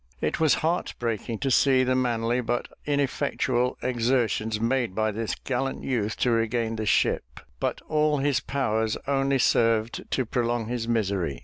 It was heart breaking to see the manly but ineffectual exertions made by this gallant youth to regain the ship; but all his powers only served to prolong his misery.